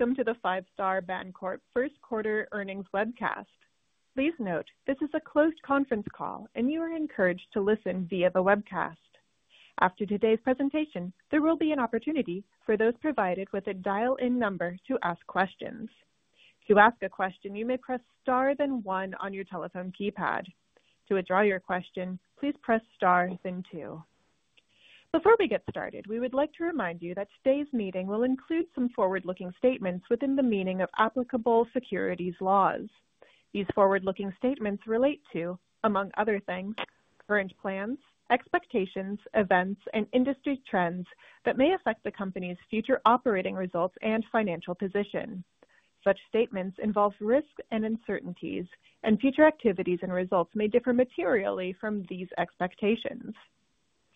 Welcome to the Five Star Bancorp Q1 Earnings webcast. Please note this is a closed conference call, and you are encouraged to listen via the webcast. After today's presentation, there will be an opportunity for those provided with a dial-in number to ask questions. To ask a question, you may press star then one on your telephone keypad. To withdraw your question, please press star then two. Before we get started, we would like to remind you that today's meeting will include some forward-looking statements within the meaning of applicable securities laws. These forward-looking statements relate to, among other things, current plans, expectations, events, and industry trends that may affect the company's future operating results and financial position. Such statements involve risk and uncertainties, and future activities and results may differ materially from these expectations.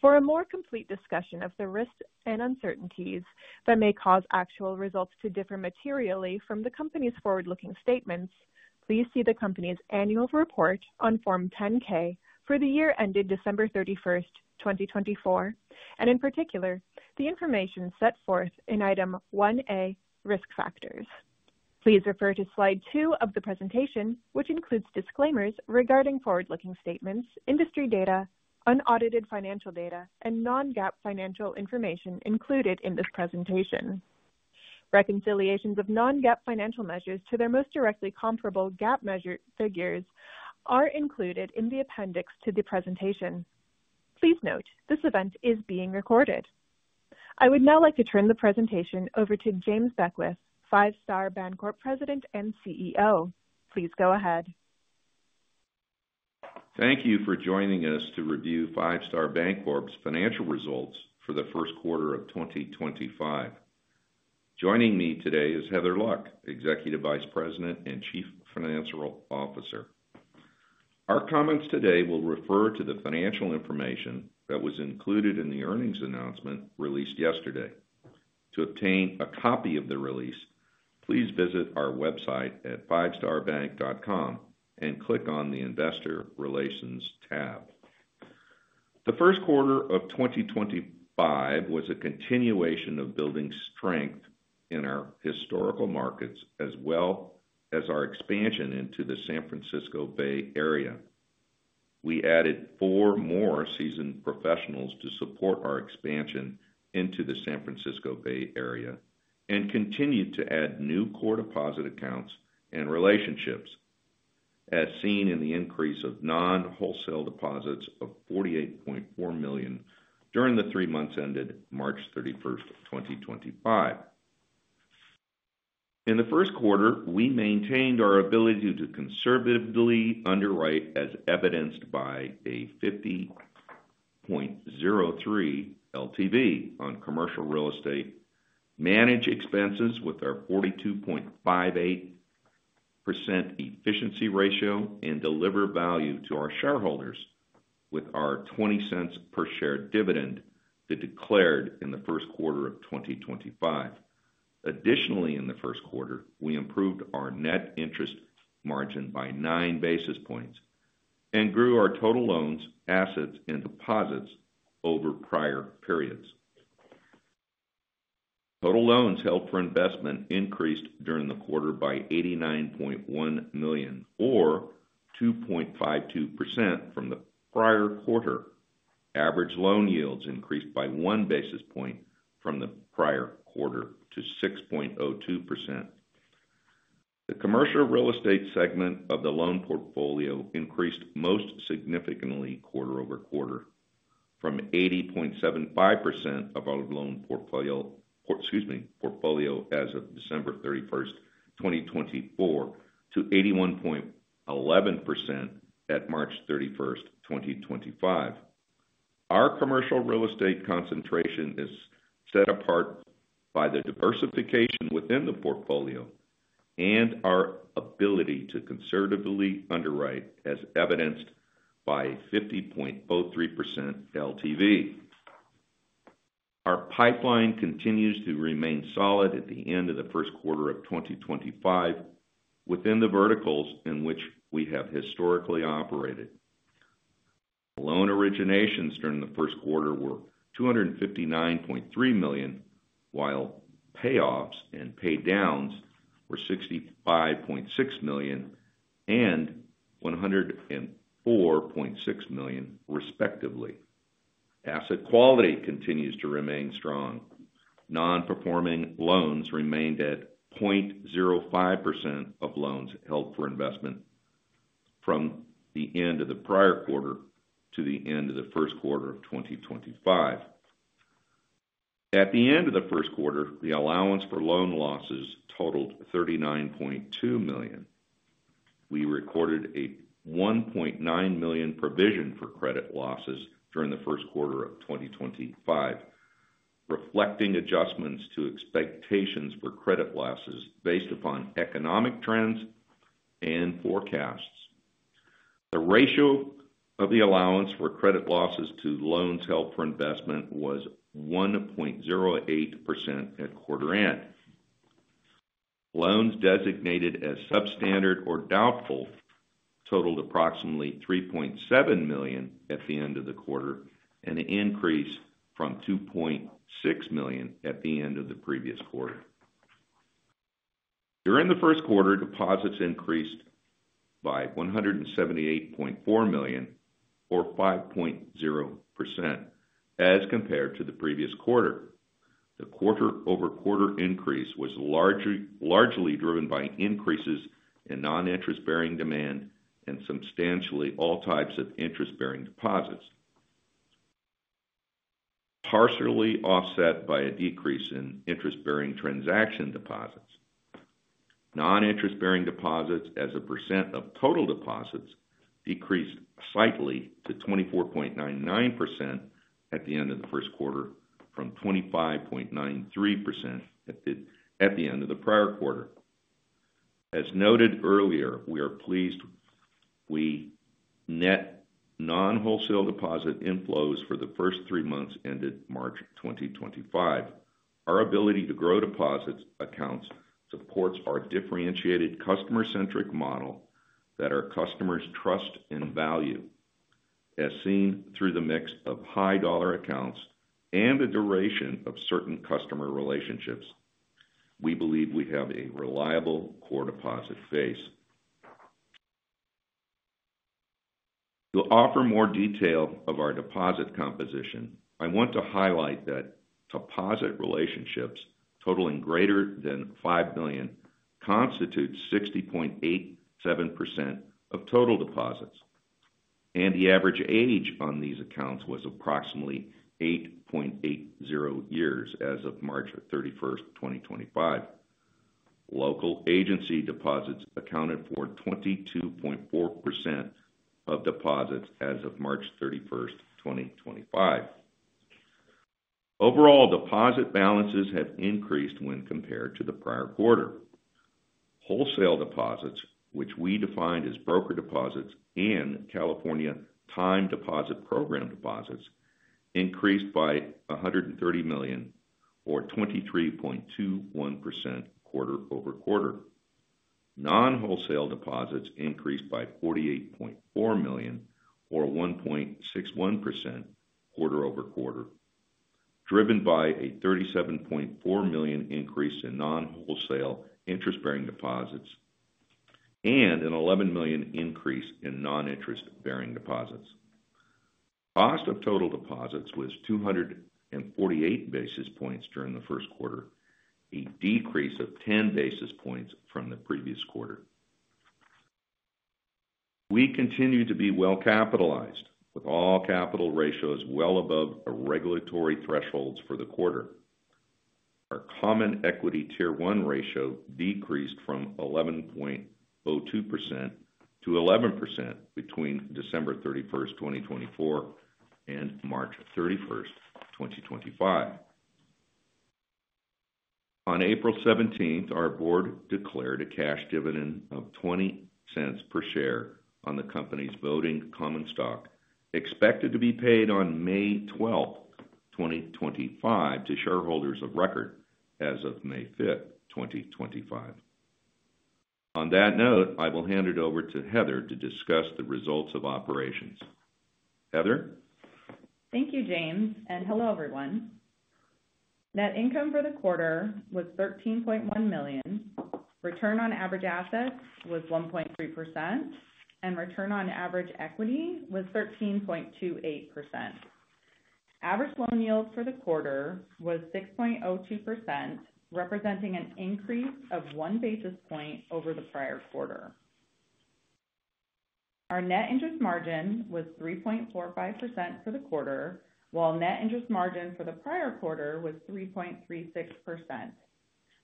For a more complete discussion of the risks and uncertainties that may cause actual results to differ materially from the company's forward-looking statements, please see the company's annual report on Form 10-K for the year ended December 31st, 2024, and in particular, the information set forth in Item 1A, risk factors. Please refer to slide two of the presentation, which includes disclaimers regarding forward-looking statements, industry data, unaudited financial data, and non-GAAP financial information included in this presentation. Reconciliations of non-GAAP financial measures to their most directly comparable GAAP figures are included in the appendix to the presentation. Please note this event is being recorded. I would now like to turn the presentation over to James Beckwith, Five Star Bancorp President and CEO. Please go ahead. Thank you for joining us to review Five Star Bancorp's financial results for the Q1 of 2025. Joining me today is Heather Luck, Executive Vice President and Chief Financial Officer. Our comments today will refer to the financial information that was included in the earnings announcement released yesterday. To obtain a copy of the release, please visit our website at fivestarbank.com and click on the Investor Relations tab. The Q1 of 2025 was a continuation of building strength in our historical markets, as well as our expansion into the San Francisco Bay Area. We added four more seasoned professionals to support our expansion into the San Francisco Bay Area and continued to add new core deposit accounts and relationships, as seen in the increase of non-wholesale deposits of $48.4 million during the three months ended March 31st, 2025. In the Q1, we maintained our ability to conservatively underwrite, as evidenced by a 50.03% LTV on commercial real estate, manage expenses with our 42.58% efficiency ratio, and deliver value to our shareholders with our $0.20 per share dividend that declared in the Q1 of 2025. Additionally, in the Q1, we improved our net interest margin by nine basis points and grew our total loans, assets, and deposits over prior periods. Total loans held for investment increased during the quarter by $89.1 million, or 2.52% from the prior quarter. Average loan yields increased by one basis point from the prior quarter to 6.02%. The commercial real estate segment of the loan portfolio increased most significantly quarter-over-quarter from 80.75% of our loan portfolio as of December 31st, 2024, to 81.11% at March 31st, 2025. Our commercial real estate concentration is set apart by the diversification within the portfolio and our ability to conservatively underwrite, as evidenced by 50.03% LTV. Our pipeline continues to remain solid at the end of the Q1 of 2025 within the verticals in which we have historically operated. Loan originations during the Q1 were $259.3 million, while payoffs and paydowns were $65.6 million and $104.6 million, respectively. Asset quality continues to remain strong. Non-performing loans remained at 0.05% of loans held for investment from the end of the prior quarter to the end of the Q1 of 2025. At the end of the Q1, the allowance for loan losses totaled $39.2 million. We recorded a $1.9 million provision for credit losses during the Q1 of 2025, reflecting adjustments to expectations for credit losses based upon economic trends and forecasts. The ratio of the allowance for credit losses to loans held for investment was 1.08% at quarter end. Loans designated as substandard or doubtful totaled approximately $3.7 million at the end of the quarter and increased from $2.6 million at the end of the previous quarter. During the Q1, deposits increased by $178.4 million, or 5.0%, as compared to the previous quarter. The quarter-over-quarter increase was largely driven by increases in non-interest-bearing demand and substantially all types of interest-bearing deposits, partially offset by a decrease in interest-bearing transaction deposits. Non-interest-bearing deposits, as a percent of total deposits, decreased slightly to 24.99% at the end of the Q1 from 25.93% at the end of the prior quarter. As noted earlier, we are pleased with the net non-wholesale deposit inflows for the first three months ended March 2025. Our ability to grow deposits accounts supports our differentiated customer-centric model that our customers trust and value. As seen through the mix of high-dollar accounts and the duration of certain customer relationships, we believe we have a reliable core deposit base. To offer more detail of our deposit composition, I want to highlight that deposit relationships totaling greater than $5 million constitute 60.87% of total deposits, and the average age on these accounts was approximately 8.80 years as of March 31st, 2025. Local agency deposits accounted for 22.4% of deposits as of March 31st, 2025. Overall, deposit balances have increased when compared to the prior quarter. Wholesale deposits, which we defined as broker deposits and California Time Deposit Program deposits, increased by $130 million, or 23.21% quarter-over-quarter. Non-wholesale deposits increased by $48.4 million, or 1.61% quarter-over-quarter, driven by a $37.4 million increase in non-wholesale interest-bearing deposits and an $11 million increase in non-interest-bearing deposits. Cost of total deposits was 248 basis points during the Q1, a decrease of 10 basis points from the previous quarter. We continue to be well-capitalized, with all capital ratios well above regulatory thresholds for the quarter. Our Common Equity Tier 1 ratio decreased from 11.02% to 11% between December 31st, 2024, and March 31st, 2025. On April 17, our board declared a cash dividend of $0.20 per share on the company's voting common stock, expected to be paid on May 12th, 2025, to shareholders of record as of May 5th, 2025. On that note, I will hand it over to Heather to discuss the results of operations. Heather. Thank you, James. Hello, everyone. Net income for the quarter was $13.1 million. Return on average assets was 1.3%, and return on average equity was 13.28%. Average loan yield for the quarter was 6.02%, representing an increase of one basis point over the prior quarter. Our net interest margin was 3.45% for the quarter, while net interest margin for the prior quarter was 3.36%,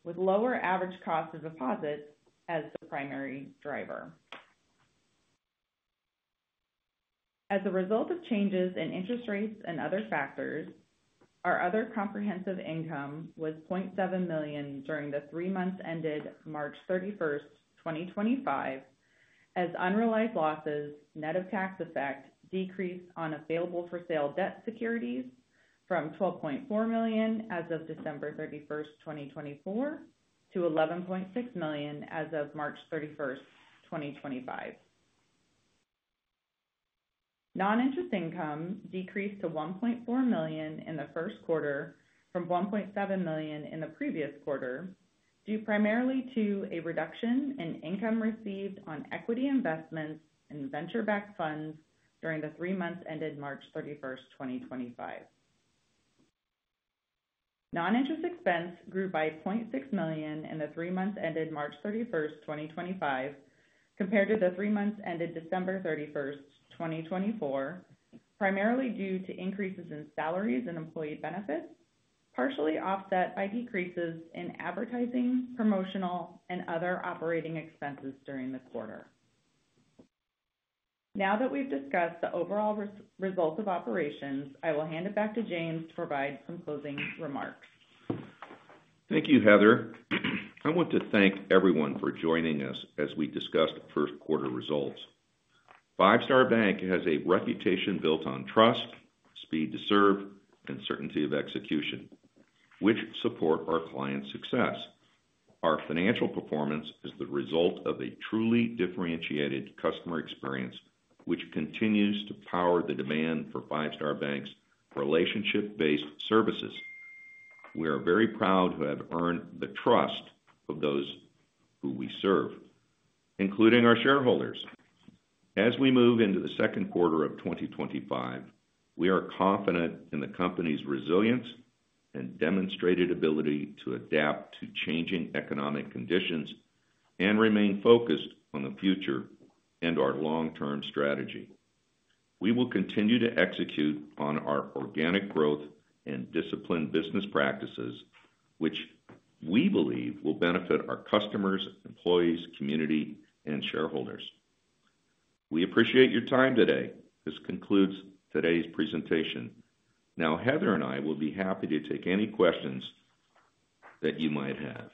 with lower average cost of deposits as the primary driver. As a result of changes in interest rates and other factors, our other comprehensive income was $0.7 million during the three months ended March 31st, 2025, as unrealized losses net of tax effect decreased on available for sale debt securities from $12.4 million as of December 31st, 2024, to $11.6 million as of March 31st, 2025. Non-interest income decreased to $1.4 million in the Q1 from $1.7 million in the previous quarter due primarily to a reduction in income received on equity investments and venture-backed funds during the three months ended March 31st, 2025. Non-interest expense grew by $0.6 million in the three months ended March 31st, 2025, compared to the three months ended December 31st, 2024, primarily due to increases in salaries and employee benefits, partially offset by decreases in advertising, promotional, and other operating expenses during the quarter. Now that we've discussed the overall results of operations, I will hand it back to James to provide some closing remarks. Thank you, Heather. I want to thank everyone for joining us as we discussed Q1 results. Five Star Bank has a reputation built on trust, speed to serve, and certainty of execution, which support our client's success. Our financial performance is the result of a truly differentiated customer experience, which continues to power the demand for Five Star Bank's relationship-based services. We are very proud to have earned the trust of those who we serve, including our shareholders. As we move into the Q2 of 2025, we are confident in the company's resilience and demonstrated ability to adapt to changing economic conditions and remain focused on the future and our long-term strategy. We will continue to execute on our organic growth and disciplined business practices, which we believe will benefit our customers, employees, community, and shareholders. We appreciate your time today. This concludes today's presentation. Now, Heather and I will be happy to take any questions that you might have.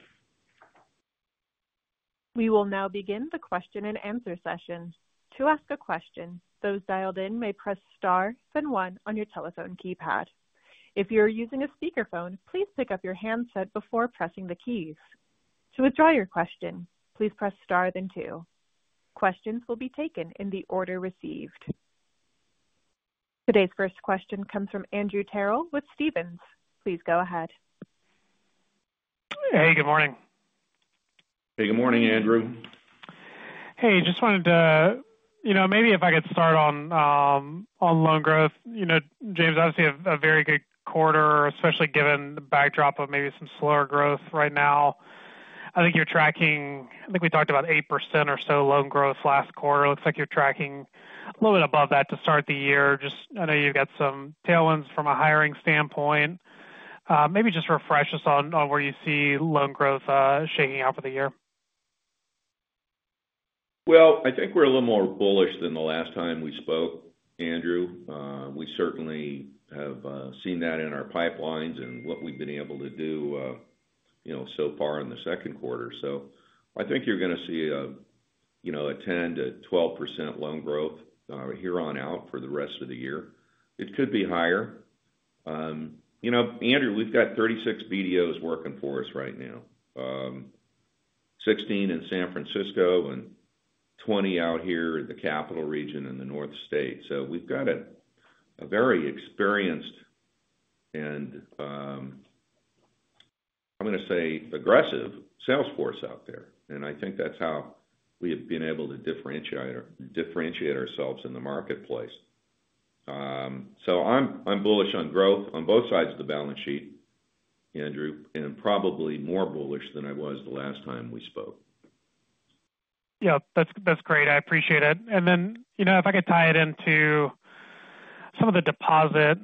We will now begin the question and answer session. To ask a question, those dialed in may press Star then One on your telephone keypad. If you are using a speakerphone, please pick up your handset before pressing the keys. To withdraw your question, please press Star then Two. Questions will be taken in the order received. Today's first question comes from Andrew Terrell with Stephens. Please go ahead. Hey, good morning. Hey, good morning, Andrew. Hey, just wanted to, you know, maybe if I could start on loan growth. You know, James, obviously a very good quarter, especially given the backdrop of maybe some slower growth right now. I think you're tracking, I think we talked about 8% or so loan growth last quarter. Looks like you're tracking a little bit above that to start the year. Just, I know you've got some tailwinds from a hiring standpoint. Maybe just refresh us on where you see loan growth shaking out for the year. I think we're a little more bullish than the last time we spoke, Andrew. We certainly have seen that in our pipelines and what we've been able to do, you know, so far in the Q2. I think you're going to see a, you know, a 10%-12% loan growth here on out for the rest of the year. It could be higher. You know, Andrew, we've got 36 BDOs working for us right now, 16 in San Francisco and 20 out here in the Capital Region and the North State. We've got a very experienced and, I'm going to say, aggressive sales force out there. I think that's how we have been able to differentiate ourselves in the marketplace. I'm bullish on growth on both sides of the balance sheet, Andrew, and probably more bullish than I was the last time we spoke. Yeah, that's great. I appreciate it. And then, you know, if I could tie it into some of the deposit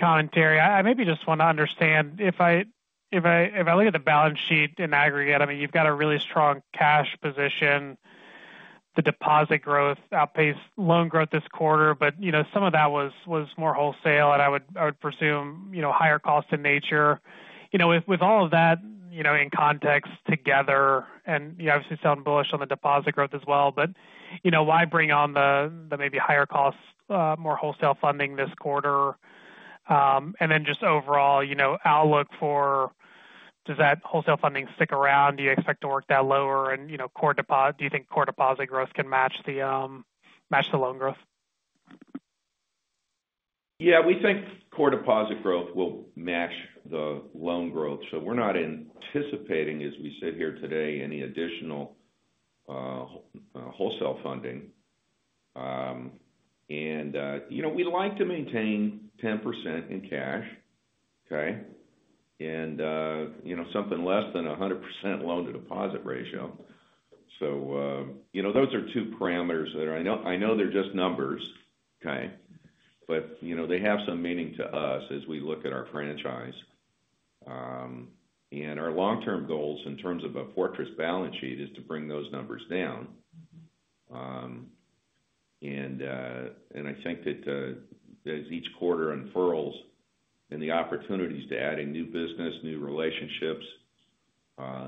commentary, I maybe just want to understand if I look at the balance sheet in aggregate, I mean, you've got a really strong cash position. The deposit growth outpaced loan growth this quarter, but, you know, some of that was more wholesale, and I would presume, you know, higher cost in nature. You know, with all of that, you know, in context together, and, you know, obviously sound bullish on the deposit growth as well, but, you know, why bring on the maybe higher cost, more wholesale funding this quarter? And then just overall, you know, outlook for, does that wholesale funding stick around? Do you expect to work that lower? And, you know, do you think core deposit growth can match the loan growth? Yeah, we think core deposit growth will match the loan growth. We are not anticipating, as we sit here today, any additional wholesale funding. You know, we'd like to maintain 10% in cash, okay? You know, something less than a 100% loan-to-deposit ratio. You know, those are two parameters that I know they're just numbers, okay? You know, they have some meaning to us as we look at our franchise. Our long-term goals in terms of a fortress balance sheet is to bring those numbers down. I think that as each quarter unfurls and the opportunities to add a new business, new relationships,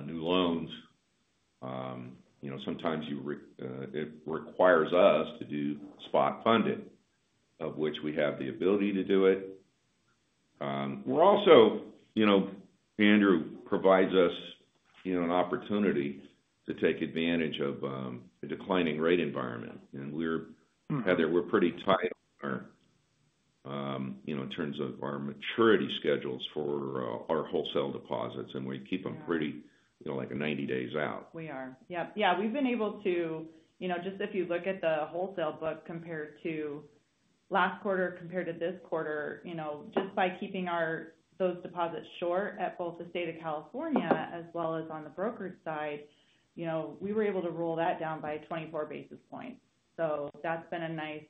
new loans, you know, sometimes it requires us to do spot funding, of which we have the ability to do it. We're also, you know, Andrew provides us, you know, an opportunity to take advantage of the declining rate environment. We're, Heather, we're pretty tight on our, you know, in terms of our maturity schedules for our wholesale deposits, and we keep them pretty, you know, like 90 days out. We are. Yep. Yeah, we've been able to, you know, just if you look at the wholesale book compared to last quarter, compared to this quarter, you know, just by keeping those deposits short at both the state of California as well as on the broker side, you know, we were able to roll that down by 24 basis points. That has been a nice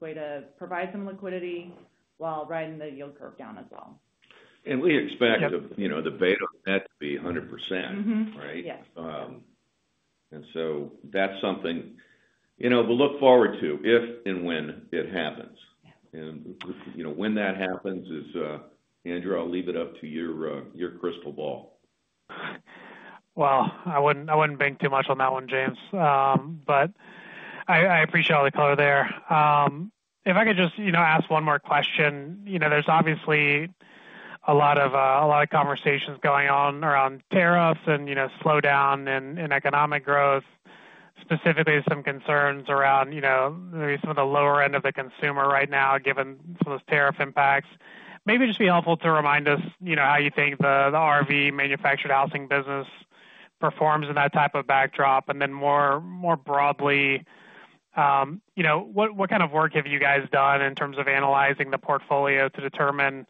way to provide some liquidity while riding the yield curve down as well. We expect the, you know, the bet on that to be 100%, right? Yes. That is something, you know, we will look forward to if and when it happens. You know, when that happens is, Andrew, I will leave it up to your crystal ball. I wouldn't bank too much on that one, James. I appreciate all the color there. If I could just, you know, ask one more question, you know, there's obviously a lot of conversations going on around tariffs and, you know, slowdown in economic growth, specifically some concerns around, you know, maybe some of the lower end of the consumer right now given some of those tariff impacts. Maybe it'd just be helpful to remind us, you know, how you think the RV manufactured housing business performs in that type of backdrop. More broadly, you know, what kind of work have you guys done in terms of analyzing the portfolio to determine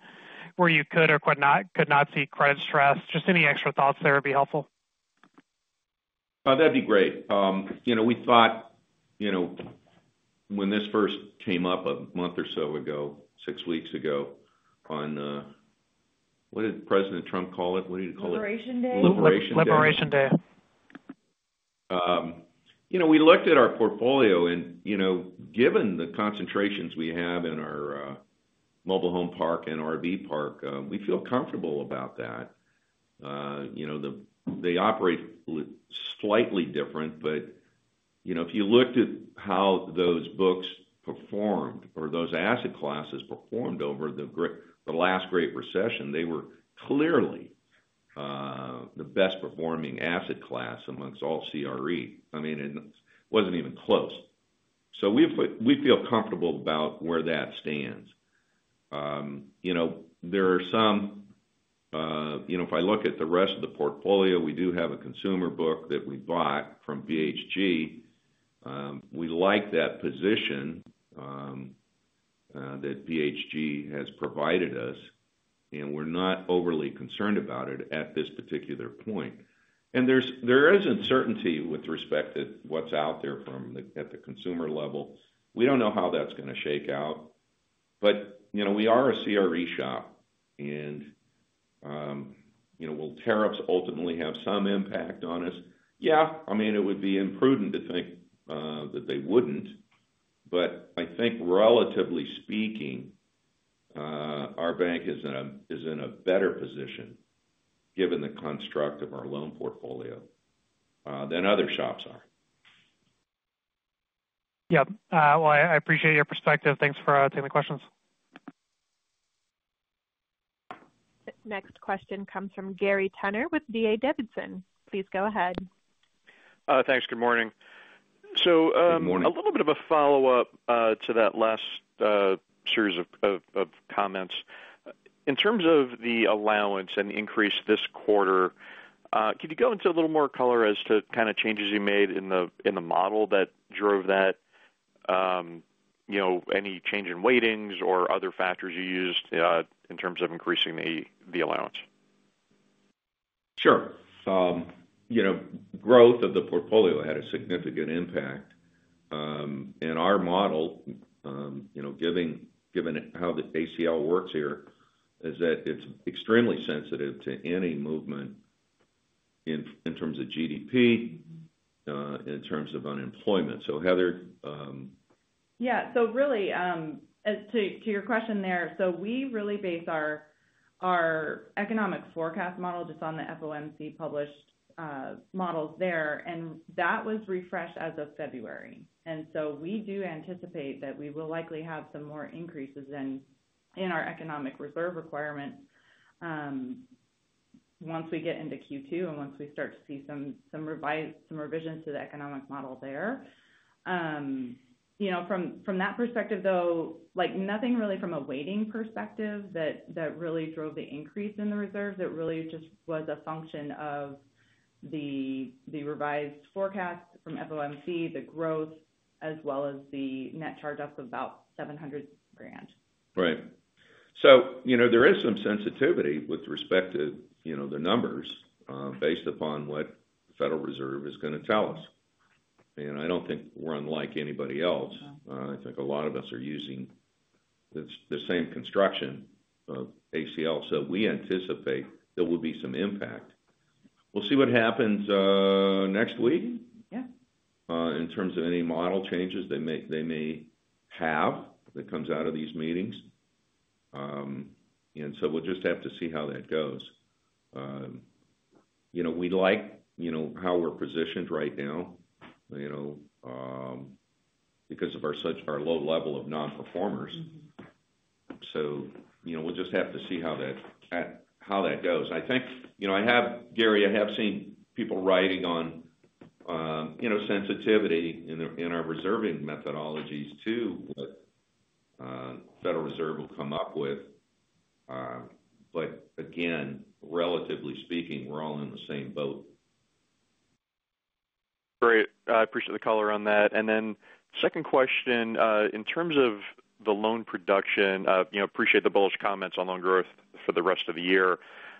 where you could or could not see credit stress? Just any extra thoughts there would be helpful. Oh, that'd be great. You know, we thought, you know, when this first came up a month or so ago, six weeks ago on, what did President Trump call it? What did he call it? Liberation Day. Liberation Day. You know, we looked at our portfolio and, you know, given the concentrations we have in our mobile home park and RV park, we feel comfortable about that. You know, they operate slightly different, but, you know, if you looked at how those books performed or those asset classes performed over the last great recession, they were clearly the best performing asset class amongst all CRE. I mean, it was not even close. So we feel comfortable about where that stands. You know, there are some, you know, if I look at the rest of the portfolio, we do have a consumer book that we bought from BHG. We like that position that BHG has provided us, and we are not overly concerned about it at this particular point. And there is uncertainty with respect to what is out there at the consumer level. We do not know how that is going to shake out. You know, we are a CRE shop, and, you know, will tariffs ultimately have some impact on us? Yeah, I mean, it would be imprudent to think that they wouldn't. But I think relatively speaking, our bank is in a better position given the construct of our loan portfolio than other shops are. Yep. I appreciate your perspective. Thanks for taking the questions. Next question comes from Gary Tenner with D.A. Davidson. Please go ahead. Thanks. Good morning. Good morning. A little bit of a follow-up to that last series of comments. In terms of the allowance and increase this quarter, could you go into a little more color as to kind of changes you made in the model that drove that, you know, any change in weightings or other factors you used in terms of increasing the allowance? Sure. You know, growth of the portfolio had a significant impact. And our model, you know, given how the ACL works here, is that it's extremely sensitive to any movement in terms of GDP, in terms of unemployment. So, Heather. Yeah. So really, to your question there, we really base our economic forecast model just on the FOMC published models there, and that was refreshed as of February. We do anticipate that we will likely have some more increases in our economic reserve requirements once we get into Q2 and once we start to see some revisions to the economic model there. You know, from that perspective, though, like nothing really from a weighting perspective that really drove the increase in the reserves. It really just was a function of the revised forecast from FOMC, the growth, as well as the net charge up of about $700,000. Right. So, you know, there is some sensitivity with respect to, you know, the numbers based upon what the Federal Reserve is going to tell us. I don't think we're unlike anybody else. I think a lot of us are using the same construction of ACL. So we anticipate there will be some impact. We'll see what happens next week. Yeah. In terms of any model changes they may have that comes out of these meetings. We'll just have to see how that goes. You know, we like, you know, how we're positioned right now, you know, because of our low level of non-performers. You know, we'll just have to see how that goes. I think, you know, I have, Gary, I have seen people writing on, you know, sensitivity in our reserving methodologies to what the Federal Reserve will come up with. Again, relatively speaking, we're all in the same boat. Great. I appreciate the color on that. Then second question, in terms of the loan production, you know, appreciate the bullish comments on loan growth for the rest of the year.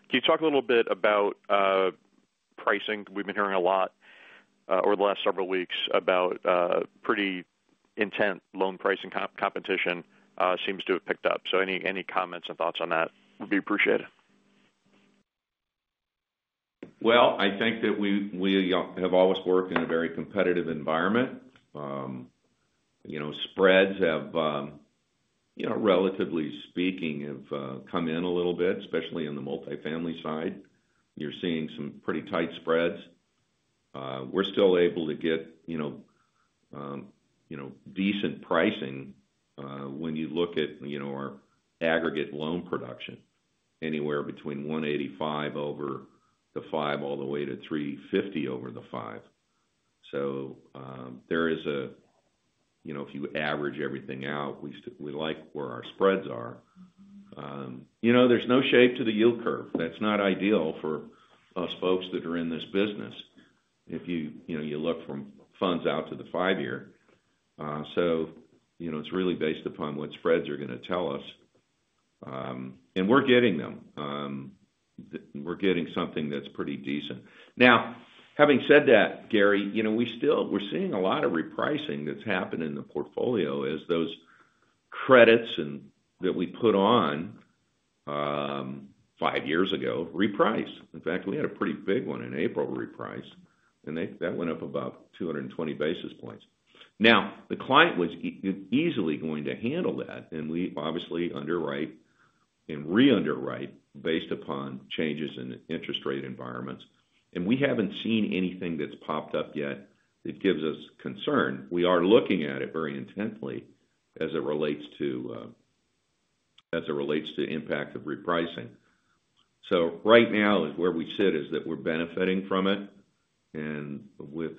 Can you talk a little bit about pricing? We have been hearing a lot over the last several weeks about pretty intense loan pricing competition seems to have picked up. Any comments and thoughts on that would be appreciated. I think that we have always worked in a very competitive environment. You know, spreads have, you know, relatively speaking, have come in a little bit, especially in the multifamily side. You're seeing some pretty tight spreads. We're still able to get, you know, decent pricing when you look at, you know, our aggregate loan production anywhere between 185 over the five all the way to 350 over the five. There is a, you know, if you average everything out, we like where our spreads are. You know, there's no shape to the yield curve. That's not ideal for us folks that are in this business. If you, you know, you look from funds out to the five-year. You know, it's really based upon what spreads are going to tell us. And we're getting them. We're getting something that's pretty decent. Now, having said that, Gary, you know, we still, we're seeing a lot of repricing that's happened in the portfolio as those credits that we put on five years ago repriced. In fact, we had a pretty big one in April repriced, and that went up about 220 basis points. Now, the client was easily going to handle that, and we obviously underwrite and re-underwrite based upon changes in interest rate environments. We haven't seen anything that's popped up yet that gives us concern. We are looking at it very intently as it relates to impact of repricing. Right now is where we sit is that we're benefiting from it and with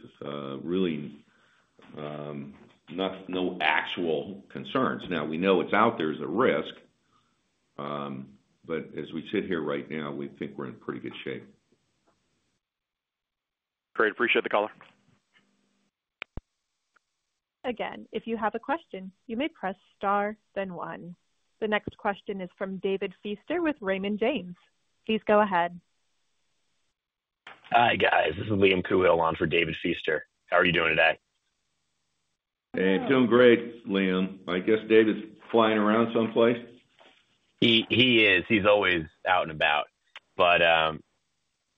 really no actual concerns. We know it's out there as a risk, but as we sit here right now, we think we're in pretty good shape. Great. Appreciate the caller. Again, if you have a question, you may press star, then one. The next question is from David Feaster with Raymond James. Please go ahead. Hi guys. This is Liam Coohill for David Feaster. How are you doing today? Hey, doing great, Liam. I guess David's flying around someplace. He is. He's always out and about.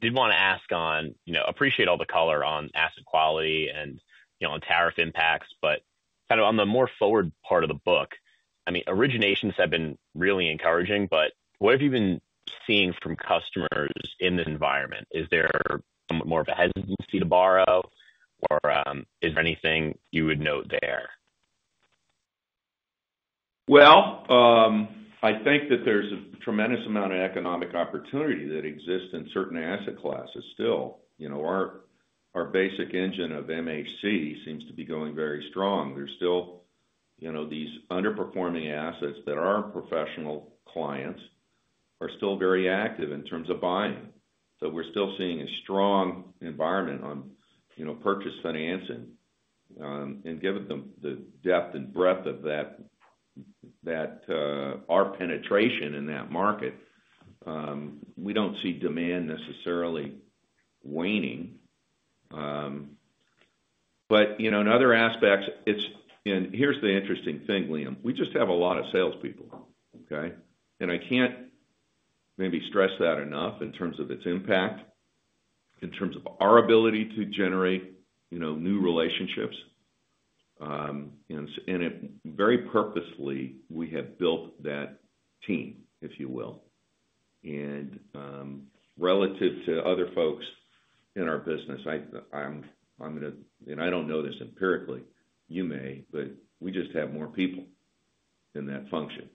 Did want to ask on, you know, appreciate all the color on asset quality and, you know, on tariff impacts, but kind of on the more forward part of the book, I mean, originations have been really encouraging, but what have you been seeing from customers in this environment? Is there more of a hesitancy to borrow, or is there anything you would note there? I think that there's a tremendous amount of economic opportunity that exists in certain asset classes still. You know, our basic engine of MHC seems to be going very strong. There's still, you know, these underperforming assets that our professional clients are still very active in terms of buying. We are still seeing a strong environment on, you know, purchase financing. Given the depth and breadth of that, our penetration in that market, we do not see demand necessarily waning. In other aspects, it's, and here's the interesting thing, Liam, we just have a lot of salespeople, okay? I cannot maybe stress that enough in terms of its impact, in terms of our ability to generate, you know, new relationships. Very purposefully, we have built that team, if you will. Relative to other folks in our business, I'm going to, and I don't know this empirically, you may, but we just have more people in that function.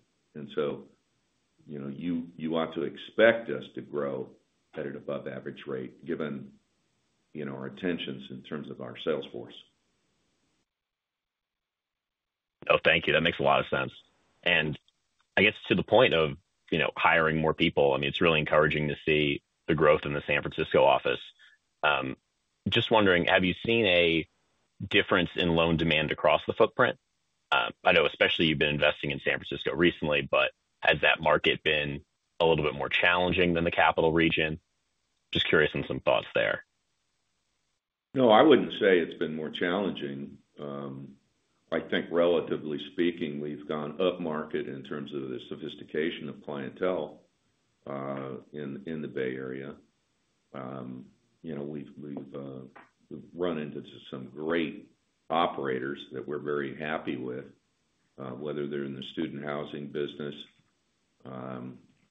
You know, you ought to expect us to grow at an above-average rate given, you know, our attentions in terms of our salesforce. Oh, thank you. That makes a lot of sense. I guess to the point of, you know, hiring more people, I mean, it's really encouraging to see the growth in the San Francisco office. Just wondering, have you seen a difference in loan demand across the footprint? I know especially you've been investing in San Francisco recently, but has that market been a little bit more challenging than the Capital Region? Just curious on some thoughts there. No, I wouldn't say it's been more challenging. I think relatively speaking, we've gone up market in terms of the sophistication of clientele in the Bay Area. You know, we've run into some great operators that we're very happy with, whether they're in the student housing business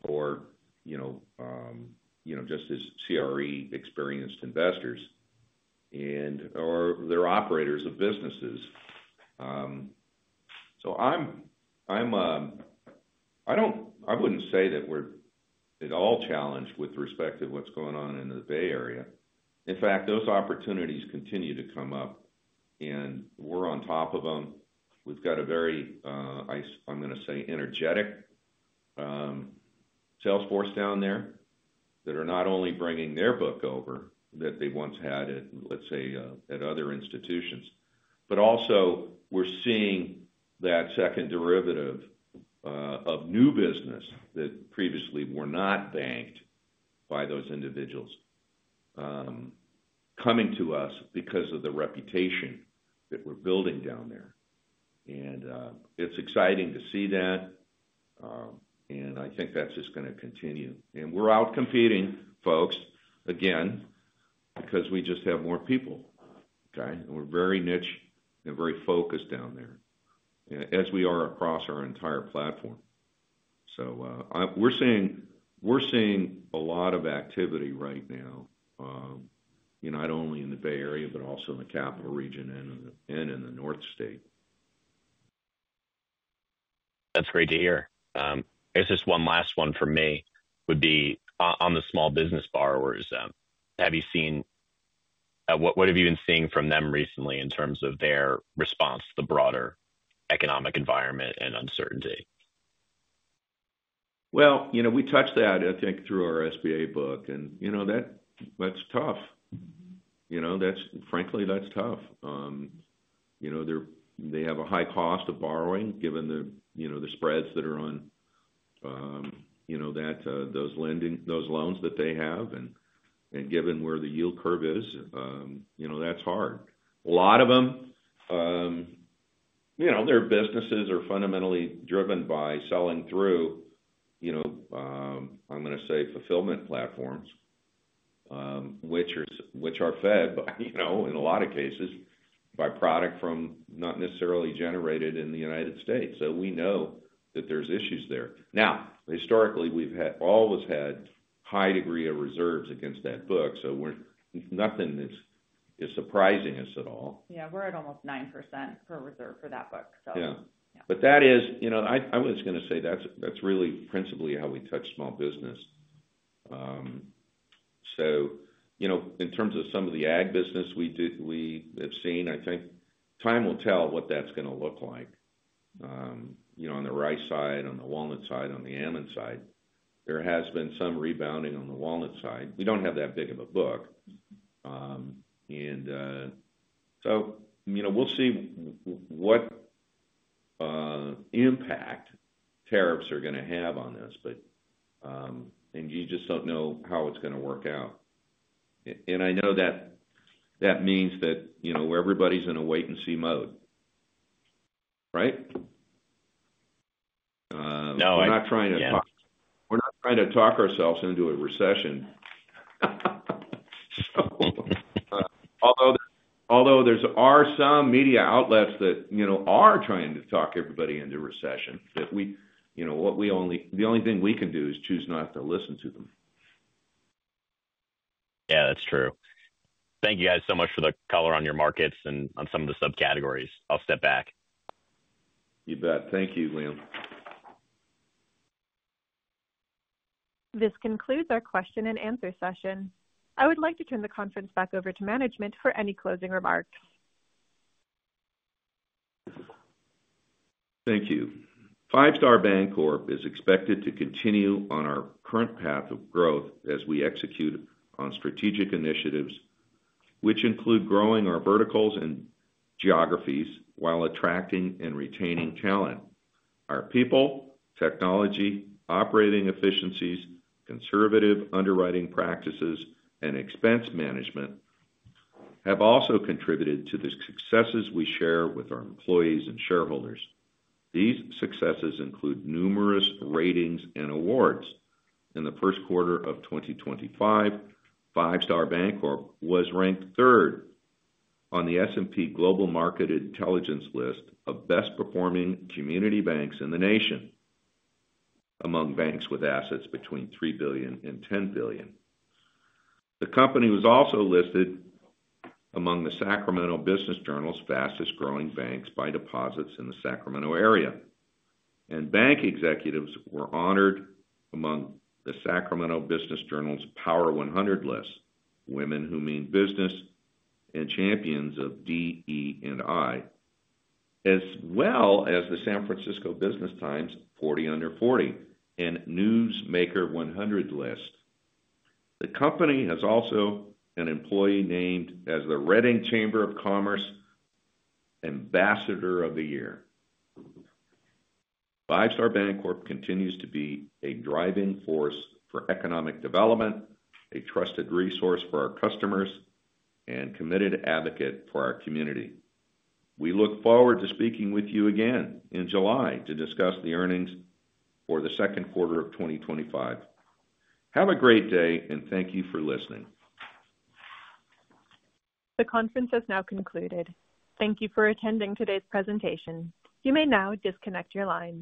or, you know, just as CRE experienced investors and/or they're operators of businesses. I don't, I wouldn't say that we're at all challenged with respect to what's going on in the Bay Area. In fact, those opportunities continue to come up, and we're on top of them. We've got a very, I'm going to say, energetic salesforce down there that are not only bringing their book over that they once had at, let's say, at other institutions, but also we're seeing that second derivative of new business that previously were not banked by those individuals coming to us because of the reputation that we're building down there. It's exciting to see that. I think that's just going to continue. We're out competing, folks, again, because we just have more people, okay? We're very niche and very focused down there, as we are across our entire platform. We're seeing a lot of activity right now, you know, not only in the Bay Area, but also in the Capital Region and in the North State. That's great to hear. Just one last one for me would be on the small business borrowers, have you seen, what have you been seeing from them recently in terms of their response to the broader economic environment and uncertainty? You know, we touched that, I think, through our SBA book. You know, that's tough. You know, that's, frankly, that's tough. You know, they have a high cost of borrowing given the, you know, the spreads that are on, you know, those lending, those loans that they have. Given where the yield curve is, you know, that's hard. A lot of them, you know, their businesses are fundamentally driven by selling through, you know, I'm going to say, fulfillment platforms, which are fed, you know, in a lot of cases, by product from not necessarily generated in the United States. We know that there's issues there. Now, historically, we've always had a high degree of reserves against that book. Nothing is surprising us at all. Yeah. We're at almost 9% per reserve for that book. Yeah. That is, you know, I was going to say that's really principally how we touch small business. You know, in terms of some of the ag business we have seen, I think time will tell what that's going to look like. You know, on the rice side, on the walnut side, on the almond side, there has been some rebounding on the walnut side. We do not have that big of a book. You know, we will see what impact tariffs are going to have on this, and you just do not know how it is going to work out. I know that means that, you know, everybody is in a wait-and-see mode, right? No. We're not trying to talk ourselves into a recession. Although there are some media outlets that, you know, are trying to talk everybody into recession, that we, you know, what we only, the only thing we can do is choose not to listen to them. Yeah, that's true. Thank you guys so much for the color on your markets and on some of the subcategories. I'll step back. You bet. Thank you, Liam. This concludes our question and answer session. I would like to turn the conference back over to management for any closing remarks. Thank you. Five Star Bancorp is expected to continue on our current path of growth as we execute on strategic initiatives, which include growing our verticals and geographies while attracting and retaining talent. Our people, technology, operating efficiencies, conservative underwriting practices, and expense management have also contributed to the successes we share with our employees and shareholders. These successes include numerous ratings and awards. In the Q1 of 2025, Five Star Bancorp was ranked third on the S&P Global Market Intelligence list of best-performing community banks in the nation among banks with assets between $3 and $10 billion. The company was also listed among the Sacramento Business Journal's fastest-growing banks by deposits in the Sacramento area. Bank executives were honored among the Sacramento Business Journal's Power 100 list, Women Who Mean Business, and Champions of DE&I, as well as the San Francisco Business Times 40 Under 40 and Newsmaker 100 list. The company has also an employee named as the Redding Chamber of Commerce Ambassador of the Year. Five Star Bancorp continues to be a driving force for economic development, a trusted resource for our customers, and a committed advocate for our community. We look forward to speaking with you again in July to discuss the earnings for the Q2 of 2025. Have a great day and thank you for listening. The conference has now concluded. Thank you for attending today's presentation. You may now disconnect your line.